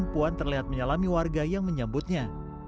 puan terlihat menyalami warga yang menyambutnya